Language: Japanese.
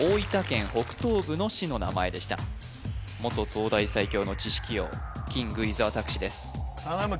県北東部の市の名前でした元東大最強の知識王キング伊沢拓司です頼む